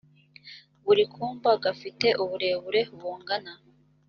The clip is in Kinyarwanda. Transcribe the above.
buri kumba gafite uburebure bungana